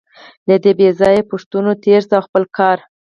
له دې بېځایه پوښتنو تېر شئ او خپل کار.